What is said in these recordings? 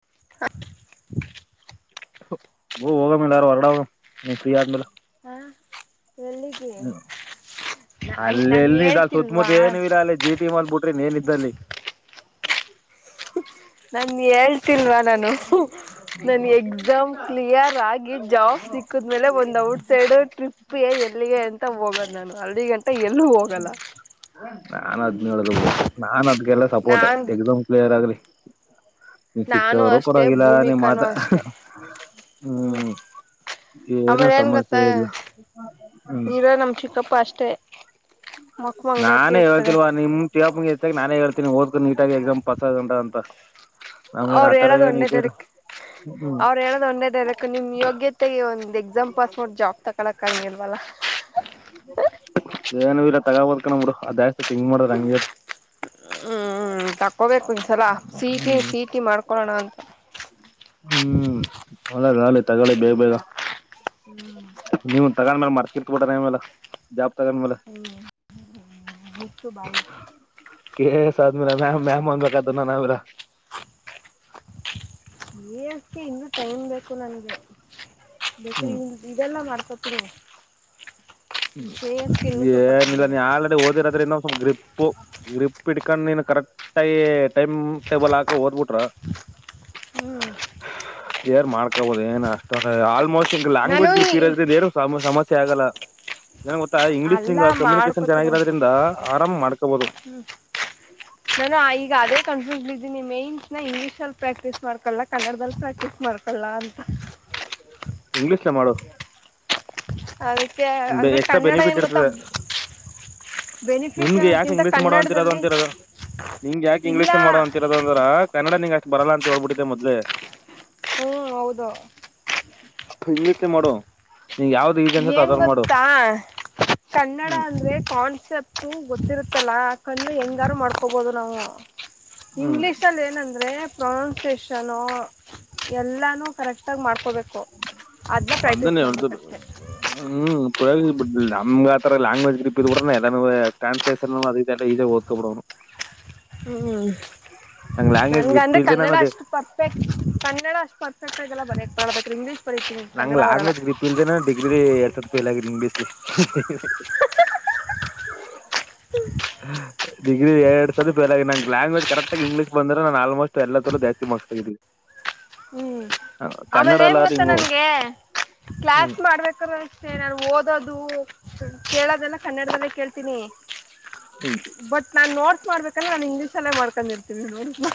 ಹ ಹೋಗ ಮೇಲೆ ಯಾರು ಹೊರಡ ಫ್ರೀ ಆದ್ಮೇಲೆ ಹ್ಮ ಅಲ್ಲ ಎಲ್ಲಿ ಇದ ಸುತ್ತಮುತ್ತ ಏನು ಇಿಲ್ಲಲ್ಲ ಅಲ್ಲಿ ಜಿಟಿ ಮಲ್ ಬಿಟ್ಟ ನ್ ಏನಿದ್ದಲ್ಲಿ [inaudible] ನಮ್ ಎಳ್ ಲ್ವಾ ನಾನು ನನ್ ಎಕ್ಸಾಮ್ ಕ್ಲಿಯರ್ ಆಗಿ ಜಾಬ್ ಸಿಕ್ಕಿದ್ಮೇಲೆ ಒಂದ ಔಟ್ಸೈಡ್ ಟ್ರಿಪ್ ಎಲ್ಲಿಗೆ ಅಂತ ಹೋಗದ್ ನಾನು ಅಲ್ಲಿ ಗಂಟ ಎಲ್ಲೂ ಹೋಗಲ್ಲ ನಾನ್ ಅದನ ಹೇಳ್ದ ಬಿಡು ನಾನ್ ಅದ್ಗೆಲ್ಲ ಸಪೋರ್ಟೆ ನಾನ್ ಎಕ್ಸಾಮ್ ಕ್ಲಿಯರ್ ಆಗ್ಲಿ ನೀ ಸಿಕ್ತಾ ನಾನು ಹೋದ್ರು ಅಷ್ಟೇ ಪರ್ವಾಗಿಲ್ಲ ನೀ ಮಾತ ಭೂಮಿಕಾನೂ ಅಷ್ಟೇ ಹ್ಮ್ ಏನು ಆಮೇಲೆ ಏನ್ ಸಮಸ್ಯೆ ಗತ್ತಾ ಇಲ್ಲ ಹ್ಮ್ ನೀರ ನಮ್ ಚಿಕ್ಕಪ್ಪ ಅಷ್ಟೇ ಮಕ್ ಮಂಗ್ಗಳೂರ್ ನಾನೇ ಇರ್ತಾರೆ ಹೇಳ್ತಿಲ್ವಾ ನಿಮ್ ಇತ್ತಾಗ ನಾನೇ ಹೇಳ್ತಿನನಿ ಓದ್ ನೀಟಾಗಿ ಎಕ್ಸಾಮ್ ಪಸ್ ಉಂಟ ಅಂತ ನಮ್ಗೇನ್ ಅವ್ರು ಆತರ ಹೇಳನಾದ ಏನ್ ಒ್ಣೆ ಇದು ಇಲ್ಲ ತರಕ್ ಹ್ಮ್ ಅವ್ರು ಹೇಳೋದ್ ಒಂದೇದು ನಿಮ್ ಯೋಗ್ಯತೆಗೆ ಒಂದ್ ಎಕ್ಸಾಮ್ ಪಾಸ್ ಮಾಡ್ರ ಜಾಬ್ ತಕೊಕ್ಂಗಿಲ್ವಲ್ಲ. [inaudible] ಏನ ಇಲ್ಲ ತಗೋಬೋದಕ ನಮಡು ಅದು ಜಾಸ್ತಿ ತಿಂಕ್ ಮಾಡ್ರ ಹಂಗದ. ಹ್ಮ ತಕೋಬೇಕು ಈ ಸಲ ಸಿಟಿ ಹ್ಮ್ ಸಿಟಿ ಮಾಡ್ಕೊೊಳ್ಳೋಣ ಅಂತ. ಹ್ಮ್ ಒಳ್ಳೇದ್ ತಗೊಳ್ಳಿ ಬೇಗ ಬೇಗ ನಿವು. ತಗೊಂಡ್ಮೇಲೆ ಮರ್ತಿರ್ತ ಬಿಟ್ಟನ ಆಮೇಲೆ ಜಾಬ್ ತಗೊಂಡ್ಮೇಲೆ. ಮುಚ್ಚು ಬಾಯಿ. ಕೆ ಎ ಸ್ ಆದ್ಮೇಲೆ ಮ್ಯಾಮ್ ಮ್ಯಾಮ್ನಾ ಅನ್ಬೇಕಾತದ ನಾನು ಆಮೇಲೆ. ಕೆ ಎ ಸ್ ಇಂದು ಟೈಮ್ ಬೇಕು ನನ್ಗೆ ಬೇಕ ಹ್ಮ್ ಇದೆಲ್ಲ ಮಾಡ್. [inaudible] ಹ್ಮ್ ಏನಿಲ್ಲ ನೀ ಆಲ್ರೆಡಿ ಓದಿರದೆ ಇನ್ನೊ ಸ್ವಲ್ಪ ಗ್ರಿಪ್. ಪ ಗ್ರೀಪ್ ಇಟ್ಡ್ಕೊಂಡ್ ನೀನ್ ಕರೆಕ್ಟ್ ಟೈಮ್ ಟೇಬಲ್ ಹಾಕ ಓದ್ಬಿಟ್ರ. ಹ್ಮ್. ಕ್ಲಿಯರ್ ಮಾಡ್ಕಬಹದು ಏನು ಅಷ್ಟೋದು ಅ ಆಲ್ಮೋಸ್ಟ್ಂಗ ನಾನು ಲ್ಯಾಂಗ್ವೇಜ್ ಗ್ರಿಪ್ ಇರೋದ್ ರಿಂದ ಎನ್ ಸಮ. ಆಗಲ್ಲ. ಎನ್ ಗೊತ್ತಾ ಇಂಗ್ಲೀಷ್ ಅಲ್ಲ ನಿಂಗ ಕಮ್ಯುನಿಕೇಶನ್ ಮಾಡ್ಕೋತೀನಿ ಚೆನ್ನಾಗಿರೋದ್ರಿಂದ ಆರಾಮ್ ಮಾಡ್ಕೊಬಹುದು. ನಾನು ಈಗ ಅದೇ. ಕನ್ಫ್ಯೂಸ್ ಇದೀನಿ ಮೆನ್ಸ್ ನಾ ಇಂಗ್ಲೀಷಲ್ಲಿ ಪ್ರಾಕ್ಟೀಸ್ ಮಾಡ್ಕೋಲ್ಲ ಕನ್ನಡದಲ್ಲಿ ಪ್ರಾಕ್ಟೀಸ್ ಮಾಡ್ಕೊಳ್ಳಲ್ಲ. ಇಂಗ್ಲೀಷ್ನ ಗ ಮಾಡು. ಅದಕ್ಕೆ ಅಂದ್ರೆ ಎಕ್ಸ್ಟ್ರಾ ಕನ್ನಡ ಬೆನಿಫಿಟ್ ಏನ್ ಗೊತ್ತಾ ಇರ್ತದ. ಬೆನಿಫಿಟ್ ನಿನ್ಗೆ ಯಾಕೆ ಅನ್ನೋದಕ್ಕಿಂತ ಇಂಗ್ಲೀಷ್ ಮಾಡುವ ಅಂತಿರೋದು ಕನ್ನಡದಲ್ಲಿ ಅಂತಿರೋದು. ನಿಂಗ್ ಯಾಕೆ ಇಲ್ಲ ಇಂಗ್ಲೀಷ್ ಮಾಡುವ ಅಂತಿರೋದ ಅಂದ್ರ ಕನ್ನಡ ನಿಂಗ್ ಅಷ್ಟ್ ಬರಲ್ಲಾ ಅಂತ ಹೇಳ್ಬಿಟ್ಟಿದೆೆ ಮೊದ್ಲೆ. ಹ್ಮ್ ಹೌದ. ಇಂಗ್ಲಿಷ್ ಯೇ ಮಾಡೋ ನಿಂಗ್ ಯಾವ್ದ ಇಸಿ ಅನ್ಸ. ಏನು ಗೊತ್ತಾ ಕನ್ನಡ ಹ್ಮ್ ಅಂದರೆ ಕಾನ್ಸೆಪ್ಟು ಗೊತ್ತಿರುತ್ತಲ್ಲ. ಕನ್ನಡ ಹೆಂಗಾರು ಮಾಡ್ಕೊಬೋದು ನಾವು ಹ್ಮ್ ಇಂಗ್ಲೀಷಲ್ಲಿ ಏನಂದರೆ. ಪ್ರೊನೌನ್ಸೇಷನ್ನು ಎಲ್ಲಾನೂ ಕರೆಕ್ಟಾಗಿ ಮಾಡ್ಕೊಬೇಕು. ಅದನ್ನೇ [inaudible] ಹ್ಮ್. ನಮ್ ಆತರ ಲಯಾಂಗ್ವಜ್ ಗ್ರೀಪ್ ಇದ್ ಕೂಡ ಎಲ್ಲ ಟ್ರನ್ಸ್ಲೇಷನ್ ಅದೆಲ್ಲ ಈಸಿಯಾಗಿ ಓದಕೊ ಬಿಡನು. [inaudible] ಹ್ಮ್ ನಂಗ್ ಲ್ಯಾಂಗ್ವೇಜ್ ಗ್ರಿಪ್ ನನ್ಗಂದ್ರೆ ಇಲ್ದೆ ಕನ್ನಡ ನಾನದು ಅಷ್ಟು ಪರ್ಫೆಕ್ಟ್ ಕನ್ನಡ ಅಷ್ಟು ಪರ್ಪೆ. ಕನ್ನಡ ಎಲ್ಲ ಬರಿಯಕ್ ಬರಲ್ಲಾ ಬಟ್ ಇಂಗ್ಲೀಷ್. ಬರೀತೀನಿ ಕನ್ನಡ ಬರಲ್ಲ ನಂಗ್ಲ್ಯಾಂಗ್ವಜ್ ಗ್ರಿಪ್ ಇಲ್ದೇ ಡಿಗ್ರಿ ಎಡ್ ಸತ್ ಫೇಲ್ ಆಗಿತ್ತು. ಬಿಸ್ಲಿ. ಡಿಗ್ರಿ ಎರಡ್ ಸಲಾ ಫೇಲ್ ಆಗ ನಂಗೆ ಲ್ಯಾಂಗ್ವೇಜ್ ಕರೆಕ್ಟಗ ಇಂಗ್ಲಷ್ ಬಂದೆ ನಾನ್ ಆಲ್ಮೋಸ್ಟ್ ಎಲ್ಲರೂ ಜಾಸ್ತಿಕ್ಸ್ ಆಗೀ. ಹ್ಮ್. ಆಮೇಲೆ ಏನ್ ಗೊತ್ತಾ ಹಿಂಗು ನಂಗೆ ಹ್ಮ್ ಕ್ಲಾಸ್ ಮಾಡ್ಬೇಕಾದ ನಂಗೆ. [inaudible] ಓದೋದು ಕೇಳೋದೆಲ್ಲ ಕನ್ನಡದಲ್ಲೇ ಕೇಳ್ತೀನಿ ಹ್ಮ್ ಬಟ್ ನಾ ನೋಟ್. ಮಾಡ್ಬೇಕಂದ್ರೆ ನಾನ್ ಇಂಗ್ಲೀಷ್ಲ್ಲೇ ಮಾಡ್ಕೊಂಡ್ರ್ತೀನಿ ನೋಡಿ. [inaudible]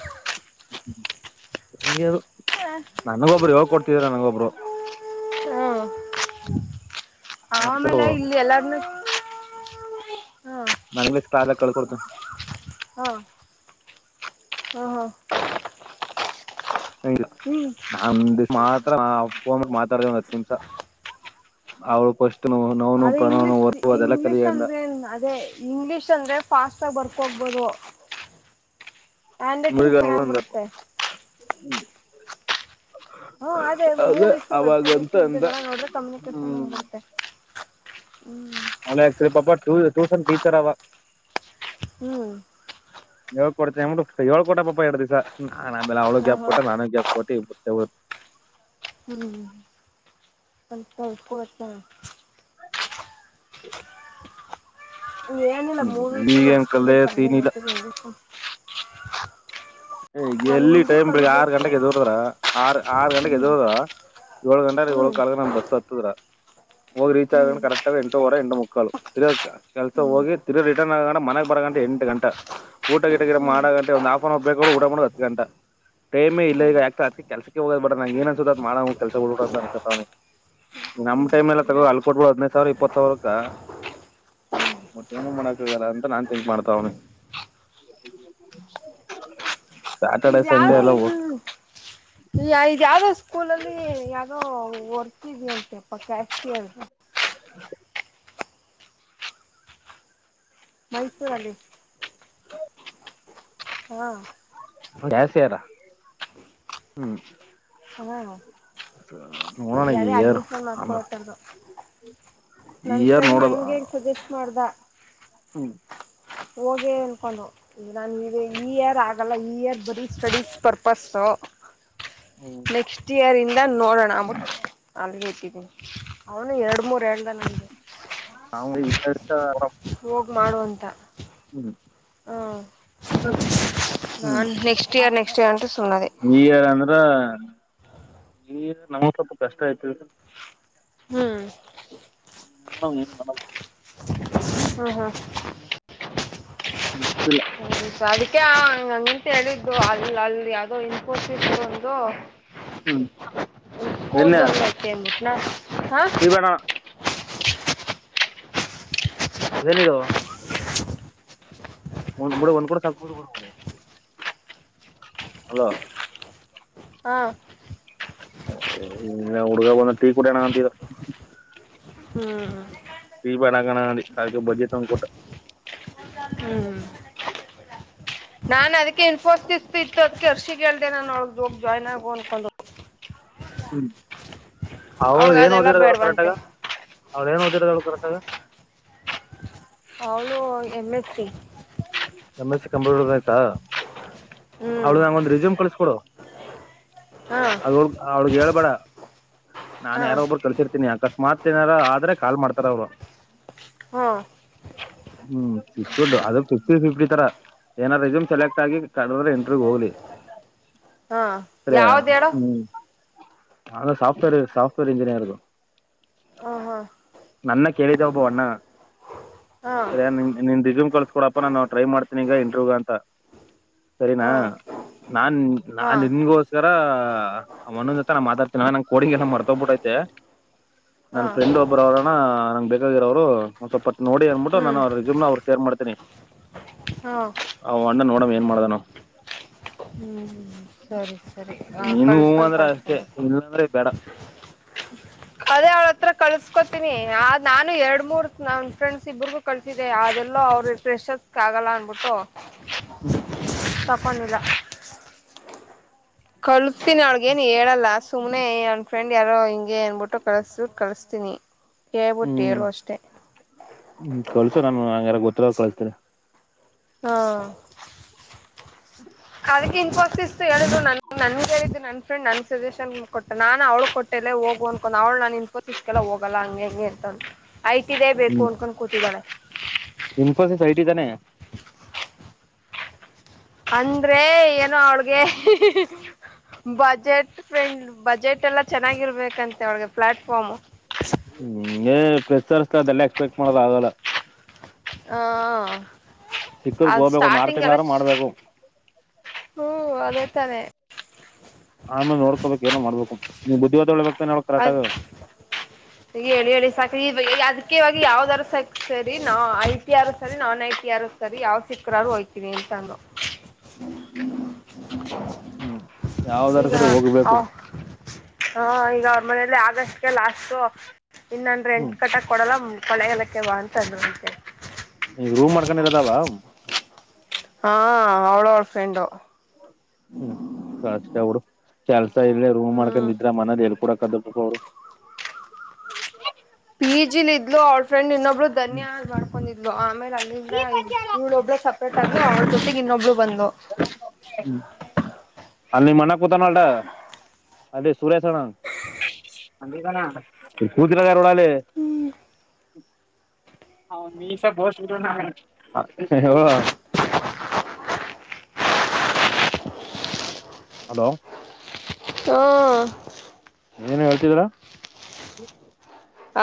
ಹೇಳ್ ನನಗೊಬ್ರು ಯಾವಾಗ ಕೊಡ್ತಿದರಾ ನನಗೊಬ್ರು. ಹ್ಮ ಆಮೇಲೆ ಇಲ್ಲಿ ಎಲ್ಲಾರ್ನು. [inaudible] ನನ್ ಬಷ್ಟ [inaudible] ಕಳ್ಕೊಡ್ತ. ಹ ಹ. ಇಲ್ಲ [inaudible] ಮಾತ್. ಫೋನ್ ಮಾತಾಡ ಒಂದ ಹತುನಿಮಿಷ ಅವಳ. ಅದ ಇಂಗ್ಲಿಷ್ ಇಂಗ್ಲಿಷ್ ಕಲಿಯಿಂದ ಅಂದ್ರೆ ಅದೇ ಇಂಗ್ಲಿಷ್ ಅಂದ್ರೆ. ಫಾಸ್ಟಾಗಿ ಬರ್ಕೋಬೊದು. ಹ್ಯಾಂಡ್ ರೈಟಿಂಗ್ ಮುಗ ನೋಡು ಚೆನ್ನಾಗ್ ಅಂದ ಬರತ್ತೆ. ಹ್ಮ ಅದೇ ಮೂವೀಸು ವೆಬ್ಸೀರೀಸು ಅವಾಗಂತ ಅಂದ ಇಂಥ್ದಲ್ಲ ನೋಡ್ರೆ ಕಮ್ಯುನಿಕೇಶನ್ ಹ್ಮ್ ಬಂದಿಬಿಡುತ್ತೆ. [inaudible] ಅವಳೆ ಪಾಪ ಟ್ಯೂಷನ್ ಟೀಚರ್ ಅವ ಹೂ ಕೊಡ್ನಮು ಏಳ್ ಕೊಟ್ಟ ಪಪ್ಪ ಎರಡುದಿವಸಾ ಆಮೇ ಅವ್ಳು ಹಾ ಗ್ಯಾಪ್ ಹಾ ಕೊಟ್ಟ ನಾನು ಗ್ಯಾಪ್ ಕೊಟ್ಟ ಯವತ್ತು ಹ್ಮ್ ಅಪತ ಏನು ಇಲ್ಲ ಹ್ಮ್ ಮೂವಿಸ ಈಗೇನ್ ಕಲ್ದೆ ಸೀನ್ ಮ ಇಲ್ಲ ಸಣೆ ಏ ಎಲ್ಲಿ ಟೈಮ್ ಬೆಳಿಗ್ಗೆ ಆರು ಗಂಟೆಗೆ ಕಲಿಬೇಕು ಹೆದ್ರುದ್ರೆ ಆರ್ ಆರು ಗಂಟೆಗೆ ಹ್ಮ್ ಎದುದ್ರ ಏಳ ಗಂಟ ಏಳ ಹ್ಮ್ ಕಾಲಗ ನಮ್ ಬಸ್ ಹತ್ತದರ ಹೋಗಿ ರೀಚ್ ಆಗೋಣ ಹ್ಮ್ ಕರೆಕ್ಟ್ ಆಗ ಎಂಟು ವರ ಎಂಟು ಮುಕ್ಕಾಲು ತಿಗ ಕೆಲಸ ಹೋಗಿ ತಿಗ ರಿಟರ್ನ್ ಆಗೋಣ ಮನಗ್ ಬರ ಗಂಟೆ ಎಂಟು ಗಂಟ ಊಟ ಗಿಟ ಗಿ ಹ್ಮ್ ಮಾಡ ಗಂಟ ಒಂದು ಹಾಫ್ ಅನ್ ಅವರ್ ಬೇಕ ಉಡಕ ಹತ್ತು ಗಂಟ ಟೈಮ್ ಇಲ್ಲ ಹ್ಮ್ ಈಗ ಯಾಕತ ಅತಿ ಕೆಲ್ಸಕ್ಕೆ ಹೋಗೋದ ನನಗೆ ಏನನ್ಸುತ್ತದತ ಮಾಡ ಕೆಲಸದ ಬಿಟ್ ಬಿಟ್ಟು ಅನ್ಕತವಿ ನಮ್ಮ ಹ್ಮ್ ಟೈಮ್ ಎಲ್ಲ ತಗೋ ಅಲ್ಕ ಕೊಟ್ಟು ಬಿಟ್ಟು ಅದಿನೈದು ಸಾವಿರ ಇಪ್ಪತ್ ಸಾವಿರಕ್ಕ ಮಟ್ಟೆ ಏನು ಮಾಡಕ್ ಹೋಗಲ್ಲ ಅಂತ ನಾನ್ ತಿಂಕ್ ಮಾಡ್ತಾವ ಅವನಿ ಸ್ಯಾಟರ್ಡೆ ಸಂಡೆ ಎಲ್ಲ ಹೋಗತ ಈ ಇದ ಯಾವ್ದೋ ಸ್ಕೂಲ ಅಲ್ಲಿ ಯಾವ್ದೋ ವರ್ಕ್ ಇದೆಯಂತೆ ಕ್ಯಾಸಿಯರ್ದು ಹ ಮೈಸೂರಲ್ಲಿ ಹ್ಮ ಕ್ಯಾಸಿ ಯಾರ ಹ್ಮ್ ಹ ನೋಡೋಣ ಈ ಯಾವೇ ಇಯರ್ ಅಡ್ಮಿಷನ್ ಆಮೇಲೆ ಮಾಡ್ಕೊಟಾರ್ದು ಈ ನನ್ ಇಯರ್ ಫ್ರೆಂಡ್ ನೋಡೋದು ನನ್ಗೆಗ್ ಸಜೆಸ್ಟ್ ಮಾಡ್ದ ಹ್ಮ್ ಹೋಗಿ ನ್ಕೊಂಡು ನಾನ ಇ ಈ ಏರ್ ಆಗಲ್ಲ ಈ ಏರ್ ಬರೀ ಸ್ಟಡೀಸ್ ಪರ್ಪಸ್ಸು ನೆಕ್ಸ್ಟ್ ಇಯರ್ ಇಂದ ನೋಡೋಣಬಿಟ್ಟ ಅ ಅವನು ಎರಡು ಮೂರ್ ಹೇಳ್ದ ನನಗೆ ಹ ಹೋಗಿ ಮಾಡುವಂಥ ಹೂ ಅ ಹ್ಮ್ ನಾನ್ ನೆಕ್ಸ್ಟ್ ಇಯರ್ ನೆಕ್ಸ್ಟ್ ಇಯರ್ ಅಂಟು ಸುಮ್ಮನದೆ ಈಗಾರಂದ್ರ ಈಗ ನಮ್ ಸ್ವಲ್ಪ ಕಷ್ಟ ಆಯ್ತ ಹೂ ಉನವು ಏನ್ ಮಾಡೋ ಹ್ಮ ಹಾ ಮತ್ತಲ್ಲ ಅದಕ್ಕೆಂಗಂತ ಹೇಳಿದ್ದು ಹವಾ ಅಲ್ ಅಲ್ಲಿ ಯಾವ್ದೋ ಇನ್ಪೋಸ ಒಂದು ಹ್ಮ್ ಸ್ಕೂಲ್ ಒಳ್ಳೆ ಕೇಮ ಸಿಬೇಣ ಏನಿದು ಒಂದ್ಡ ಒಂದ್ ಕೂಡ ಸಾಲ್ ಹಲೋ ಹಾ ಇನ್ನ ಹುಡುಗ ಬಂದ ಟೀ ಕೂಡಣ ಅಂತರ ಹ್ಮ್ ಬ ಆಗಣ ಅಡಿ ಕ ಬಜೆಟ್ ಒಂಗ್ಕೂಟ್ಟ ಹ್ಮ್ ನಾನ್ ಅದಕ್ಕೆ ಇನ್ಫೋಸಿಸ್ ಇತ್ತು ಅದ್ ಹರ್ಷಿಗ್ ಹೇಳ್ದೇ ನಾನ ಒ ಹೋಗಿ ಜಾಯ್ನ್ ಆಗು ಅನ್ಕೊಂಡ ಹ್ಮ್ ಅವ್ರ ಅವಳಗ ಏನ್ ಅದೆಲ್ಲ ಓದಿರೋದು ಕರೆಕ್ಟ್ಗ ಬೇಡವಂತೆ ಅವರು ಏನು ಓದಿರೋದು ಕರೆಕ್ಟಾಗಾ ಅವನು M H P M S ಈ ಕಂಪ್ಯೂಟರ್ ಸೈನ್ಸ್ ಹ್ಮ್ ಅವಳು ನಂಗೊಂದ ರಿಸ್ಯೂಮ್ ಕಳಸ್ ಕೊಡು. ಹಾ ಅದ ಅವಳಗ್ ಹೇಳ್ಬೇಡ. ನಾನ್ ಹಾ ಯಾರ ಒಬ್ರು ಕಲ್ಸಿರ್ತೀನಿ ಅಕಸ್ಮಾತ್ ಏನಾರ ಆದ್ರೆ ಕಾಲ್ ಮಾಡ್ತಾರ ಅವ್ರು. ಹ್ಮ್. ಹ್ಮ್ ಚಿಕ್ಕದು ಅದ ಫಫ್ಟಿ ಫಿಫ್ಟಿ ತರ ಏನಾರ ರೆಸ್ಯೂಮ್ ಸೆಲೆಕ್ಟ್ ಆಗಿ ಕಡ್ರೆ ಎಂಟ್ರಿ ಹೋಗ್ಲಿ. ಹಾ ಸರಿ ಯಾವ್ದ ಹೇಳು ಹ್ಮ್. ನಾ ಸಾಫ್ಟ್ವೇರ್ ಸಾಫ್ಟ್ವೇರ್ ಇಂಜಿನಿಯರದು. ಹಾ ಹಾ ನನ್ನ ಕೇಳಿದ ಒಬ ಅಣ್ಣ. ಹಾ ಸರಿ ನಿನ್ ್ಯೂಮ್ ಕಳ್ಸ್ಕ ಕೊಡಪ್ಪಾ ನಾನು ಟ್ರೈ ಮಾಡ್ತೀನಿ ಈಗ ಇಂಟರ್ವ ಅಂತ. ಸರಿನಾ. ಹಾ ನಾನ್ ಹಾ ನಾನ್ ನಿನ್ಗೋಸ್ಕರ ಅವನಂದ ನಾ ಮಾತಾಡ್ತೀನಿ ನಂ ಕೋಡಿಂಗ ಎಲ್ಲ ಮರ್ತೋಗಬಿಟ್ಟೈತೆ. [inaudible] ಹಾ. ಅವರ ನಂಗಗೆ ಬೇಕಾಗಿರೋರು ಒ್ ಸ್ವಲ್ಪ ನೋಡಿ ಅಂದ್ಬಿಟ್ಟು ಹ್ಮ್ ನಾನೆಿಸ್ಯೂಮ್ ನ ಅವ್ರು ಶೇರ್ ಮಾಡ್ತೇನಿ. ಹಾ. ಅ ನೋಡವ ಏನ್ ಮಾಡ್ದ ನ. ಹ್ಮ್ ಸರಿ ಸರಿ ಆ ನೀನು ಹೂ ಕಳ್ಸ್ಕೊಂಡ್ ಅಂದ್ರೆ ಅಷ್ಟೇ ಕಳ್ಸ್ತೀನಿ ಇಲ್ಲ ಅಂದ್ರೆ ಬೇಡ. ಅದೇ ಅವಳತ್ರ ಕಳ್ಸ್ಕೊ ಆದ್ ನಾನು ಎರಡ್ ಮೂರ್ ನನ್ ಫ್ರೆಂಡ್ಸ್ ಇಬ್ರಗೂ ಕಲ್ತಿದ್ದೆ ಅದೆಲ್ಲೋ ಅವ್ರ ಪ್ರೆಷರ್ಸ್ ಆಗಲ್ಲ. [unintelligible] ಹ್ಮ್. ತಪ್ಪೊಂಡಿಲ್ಲ. ಕಲ್ಸತೀನಿ ಅವ್ಗ ಏನ್ ಹೇಳಲ್ಲ ಸುಮನೆ ಅನ್ ಫ್ರೆಂಡ್ ಯಾರೋ ಹಿಂಗೆ ಅನ್ಬಿಟ್ಟು ಕಳಸ ಕಳಿಸ್ತೀನಿ. ಹೇಳ್ಬಿಟ್ಟು ಹ್ಮ್ ಹೇಳು ಅಷ್ಟೇ ಹ್ಮ ಕಳ್ಸು ನಾನು ಹಂಗ್ಯಾರ ಗೊತ್ತಿರೋರಿಗೆ ಕಲ್ಸ್ತೀನಿ. ಹಾ. ಅದಕ್ಕೆ ಇನ್ಫೋಸಿಸ್ ಹೇಳಿದ್ರು ನನ್ನ ನನಗ ಹೇಳಿದ್ದು ನನ್ನ ಫ್ರೆಂಡ್ ನನ್ನ ಸಜೆಷನ್ ಕೊಟ್ಟು ನಾನು ಅವ್ಳು ಕೊಟ್ಟೇ ಹೋಗ ಅಂದನ್ಕೊಂಡ್ ಅವಳ ನಾ ನಿನ್ಕೊತ ಇ್ಕಲ್ಲ ಹೋಗಲ್ಲ ಹಂಗೆ ಹಂಗೆ ಅಂತ ಐತಿದೆ ಬೇಕು ಹ್ಮ್ ಅನ್ಕೊಂಡು ಕೂತಿದ್ದಾಳೆ. ಇನ್ಫೋಸಿಸ್ ಐಟಿ ತಾನೆ. ಅಂದ್ರೆ ಏನೋ ಅವ್ಳಿಗೆ ಹಹ. ಬಜೆಟ್ ಫ್ರೆಂಡ್ ಬಜೆಟ್ ಎಲ್ಲ ಚೆನ್ನಾಗಿರ್ಬೇಕಂತೆ ಒಳಗೆ ಪ್ಲಾಟ್ಫಾರ್ಮ್. ಹ್ಮ್ ಏ ಪ್ರೆಸ್ರಿಸಸ್ತ ಅದೆಲ್ಲಾ ಎಕ್ಸ್ಪೆಕ್ಟ್ ಮಾಡದ್ ಆಲ್ಲ. ಹಾ ಅದು ಹೋಗ್ಬೇಕು ಒಂದ್ ಆರು ಸ್ಟಾರ್ಟಿಂಗ್ ಎಲ್ಲ ತಿಂಗಳಾರ ಮಾಡ್ಬೇಕು ಹ್ಮ ಅದೇ ತಾನೆ. ಆಮೇಲೆ ನೋಡ್ಕೋಬೇಕು ಏನ ಮಾಡಬೇಕು ನೀ ಬುದ್ಧಿವಾದ್ಳ್ಬೇಕ ಅದ ಹೇಳಿ ಹೇಳಿ ಸಾಕಾಗಿದೆ ಯ ಅದಿಕೆವಾಗಿ ಯಾವ್ದಾದಾರ ಸಕ್ ಸರಿ ನಾ ಐಟ ಆರ್ ಸರಿ ನಾನ್ ಐಟಿರ್ ಸರಿ ಯಾವ್ ಸಿಕ್ಕರರು ಹೋಗ್ತೀನಿ. [inaudible] ಹ್ಮ್ ಯಾವ್ದಾರ ಈಗ ಸರಿ ಹಾ ಹೋಗ್ಬೇಕು ಈಗ ಮನೇಲಿ ಆಗಸ್ಟ್ಗೆ ಲಾಸ್ಟ್ ಇನ್ನಂದು ಹ್ಮ್ ರೆಂಟ್ ಕಟ್ಟ ಕೊಡಲ್ಲ ಮು [unintelligible] ಈಗ ರೂಮ್ ಮಾಡ್ಕೊಂಡ ಇರದಾವ. ಹಾ ಅವ್ಳು ಅವಳ್ ಫ್ರೆಂಡು. ಹ್ಮ್ ಕಷ್ಟ ಬಿಡು ಕೆಲ್ಸ ಇಲ್ಲೇ ರೂಮ್ ಹ್ಞೂ ಮಾಡ್ಕೊಂಡಿದ್ರ ಮನದ ಎಲ್ ಕುೂಡಕದ ಅವ್ರು. [inaudible] ಪಿ ಜಿಲಿ ಇದ್ಲು ಅವ್ರ ಫ್ರೆಂಡ್ ಇನ್ನೊಬ್ರು ಧನ್ಯ ಮಾಡ್ಕೊಂಡಿದ್ಲು ಆಮೇಲೆ. ಅಲ್ಲಿಂದ ಇವಳೊಬ್ಳ ಸಪ್ರೇಟ್ ಆಗಿ ಅವ್ರ ಜೊತೆ ಇನ್ನೊಬ್ಬಳ. ಅಲ್ಲಿ ನಿಮ್ಮ ಅಣ್ಣಾ ಕೂತಾನೋಡ ಅಲ್ಲಿ. [unintelligible] ಹ ಮ ಸ ಬ ಹ. ಹಲೋ. ಹ. ಏನೇನು ಹೇಳ್ತಿದ್ದೀರಾ.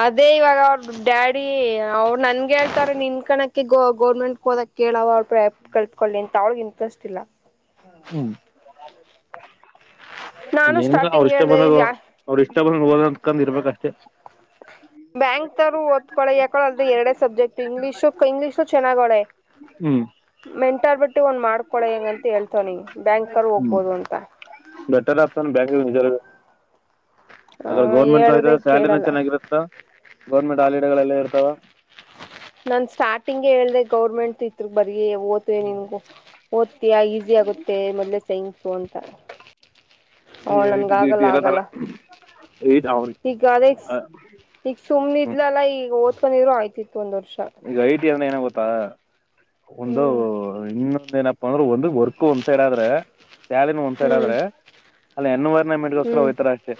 ಅದೇ ಇವಾಗ ಅವ್ರ ಡ್ಯಾಡಿ ಅವರು ನನ್ಗೆ ಹೇಳ್ತಾರೆ ನಿನ್ ಕಣಕ್ಕೆ ಗ ಗೌರ್ಮೆಂಟ್ ಹೋದಕ್ ಕೇಳವ ಅವ ಕಲ್ತ್ಕೊಳ್ಳಿ ಅಂತ ಅವ್ಳಗ್ ಇಂಟ್ರೆಸ್ಟ್ ಇಲ್ಲ ಹ್ಮ್ ನಾನು ಏನಿಲ್ಲ ಅವ್ರ ಸ್ಟಾರ್ಟಿಂಗ್ ಇಷ್ಟ ಹೇಳ್ದೆ ಬಂದದು ಇಲ್ಲಿ ಅವ್ರ ಇಷ್ಟ ಗೆ ಹೋದ ಅಂತಕಂದ ಇರ್ಬೇಕಷ್ಟೆ ಬ್ಯಾಂಕ್ ತರು ಓದ್ಕಳೆ ಯಾಕೋಳ ಅದ ಎರಡೇಬ್ಜಕ್ಟ್ ಇಂಗ್ಲೀಷು ಇಂಗ್ಲಲಿಷು ಚೆನ್ನಾಗಳೆ ಹ್ಮ್ ಮೆಂಟಲ್ಬಿಟ್ಟು ಒಂದು ಮಾಡ್ಕೊಳ ಹೆಂಗಂತ ಹೇಳ್ತವ ನೀ ಬ್ಯಾಂಕರು ಹ್ಮ್ ಹೋಗ್ಬೋದು ಅಂತ ಬೆಟರ್ ಆಪ್ಷನ್ ಬೆಂಗ್ಳೂರುರ್ ಆ, ಅದ್ರ ಗೌರ್ಮೆಂಟ್ ಹೇಳಿದ್ರೆ ಸ್ಯಾಲರಿನ ಕೇಳಲ್ಲ ಚೆನ್ನಾಗಿರುತ್ತ ಗೌರ್ಮೆಂಟ್ ಆಾಲಡೆಗಳೆಲ್ಲ ಇರ್ತಾವ ನಾನ್ ಸ್ಟಾರ್ಟಿಂಗ್ಗೆ ಹೇಳ್ದ ಗೌರ್ಮೆಂಟ್ ಇತ್ರು ಬರೀ ಓದ್ವೆ ನಿನ್ಗು ಈಸಿ ಆಗುತ್ತೆ ಮೊದ್ಲೇ ಸೈಂಗಸು ಅಂತ ಈ ಅವಳ ಐ ನನ್ಗ ಟಿ ಗಿಟಿ ಆಗಲ್ಲ ಆಗಲ್ಲ ಇರದಲ್ಲ ಐ ಅವ್ರ ಈಗ ಅದೇ ಈಗ ಸುಮ್ ಇದ್ಲಲ್ಲ ಈಗ ಓದ್ಕೊಂಡಿದ್ರು ಆಯ್ತಿತ್ತು ಒಂದ ವರ್ಷ ಈಗ ಐ ಟಿ ಅಂದ್ರೆ ಏನ ಗೊತ್ತಾ ಒಂದು ಹ್ಮ್ ಇನ್ನೊಂದ ಏನಪ್ಪ ಂದ್ರೆ ಒಂದು ವರ್ಕ್ ಒಂದ್ ಸೈಡ್ ಆದ್ರೆ ಸ್ಯಾಲ ಒಂದ್ ಸೈಡ್ ಹ್ಮ್ ಆದ್ರೆ ಅಲ್ಲಿ ಎವರೆ ಸ ಹ್ಮ್ ಹೋಗ್ತರ ಅಷ್ಟೇ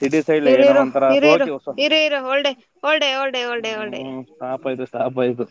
ಸಿಡಿ ಸೈಡ್ ಇರು ಏನೋ ಇರು ಇರು ಒಂತರಸ ಇರು ಹಕಿ ಹೊಸ ಇರು ಇರು ಹೊಲ್ಡೆ ಹೊಲ್ಡೆ ಹೊಲ್ಡೆ ಹೊಲ್ಡೆ ಹೊಲ್ಡೆ ಹ್ಮ ಹಬಾಯಯತು ಸ ಹಬ್ಬ ಆಯ್ತು